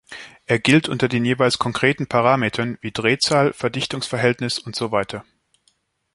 Er gilt unter den jeweils konkreten Parametern, wie Drehzahl, Verdichtungsverhältnis usw.